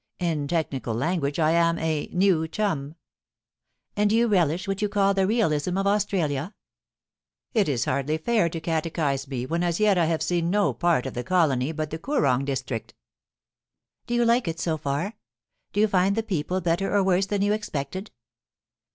* In technical language I am a new chumJ * And do you relish what you call the realism of Aus tralia ?It is hardly fair to catechise me, when as yet I have seen no part of the colony but the Koorong district' * Do you like it so far ? Do you find the people better or worse than you expected?